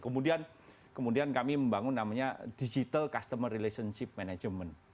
kemudian kami membangun namanya digital customer relationship management